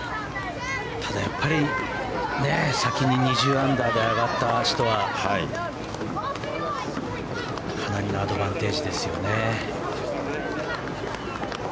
ただやっぱり先に２０アンダーで上がった人はかなりのアドバンテージですよね。